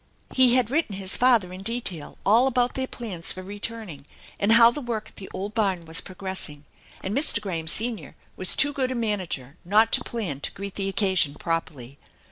He had written his father in detail all about their plans for returning, and how the work at the old barn was progressing, and Mr. Graham, Senior, was toa good a manager not to plan to greet the occasion properly.